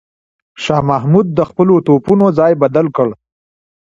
شاه محمود د خپلو توپونو ځای بدل کړ.